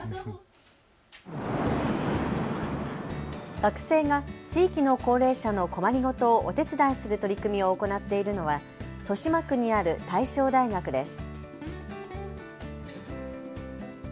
学生が地域の高齢者の困り事をお手伝いする取り組みを行っているのは豊島区にある大正大学です。